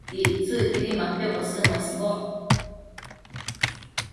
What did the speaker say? Ictsëcquidi mapiocosën uesboc